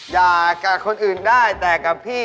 อย่ากับคนอื่นได้แต่กับพี่